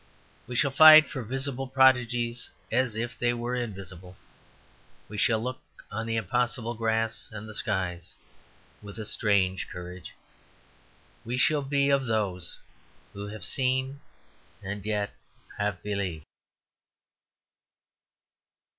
We shall fight for visible prodigies as if they were invisible. We shall look on the impossible grass and the skies with a strange courage. We shall be of those who have seen and yet have believed.